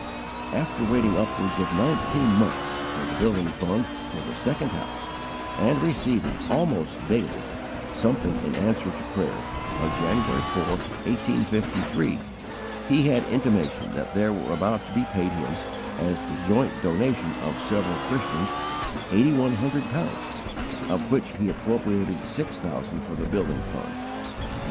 After waiting upwards of nineteen months for the building fund for the second house, and receiving, almost daily, something in answer to prayer, on January 4, 1853, he had intimation that there were about to be paid him, as the joint donation of several Christians, eighty one hundred pounds, of which he appropriated six thousand for the building fund.